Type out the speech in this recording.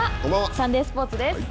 サンデースポーツです。